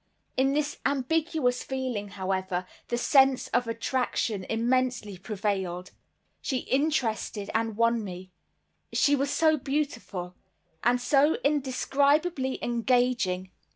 In this ambiguous feeling, however, the sense of attraction immensely prevailed. She interested and won me; she was so beautiful and so indescribably engaging.